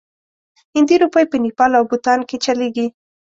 هندي روپۍ په نیپال او بوتان کې چلیږي.